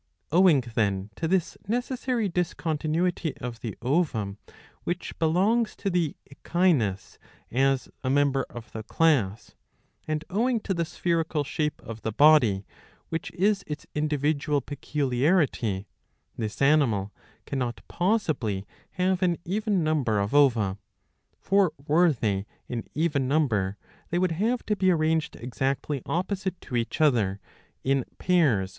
Owing, then, to this necessary discontinuity of the ovum, which belongs to the Echinus as a member of the class, and owing to the spherical shape of the body, which is its individual peculiarity, this animal cannot possibly have an even number of ova. For were they in even number, they would have to be arranged exactly opposite to each other, in pairs